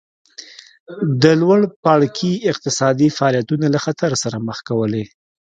د لوړ پاړکي اقتصادي فعالیتونه له خطر سره مخ کولې